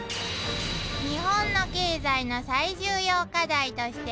「日本の経済の最重要課題として」